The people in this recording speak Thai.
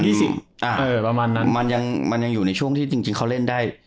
ประมาณนั้นมันยังมันยังอยู่ในช่วงที่จริงจริงเขาเล่นได้